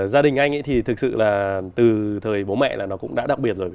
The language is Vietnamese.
gia đình anh thì thực sự là từ thời bố mẹ là nó cũng đã đặc biệt rồi